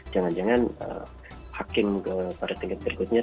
jangan jangan hakim pada tingkat berikutnya